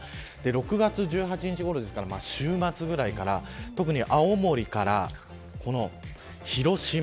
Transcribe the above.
６月１８日ごろですから週末ぐらいから特に青森から、広島